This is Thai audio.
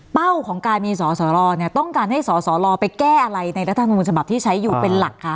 ของการมีสอสรเนี่ยต้องการให้สสลไปแก้อะไรในรัฐธรรมนูลฉบับที่ใช้อยู่เป็นหลักคะ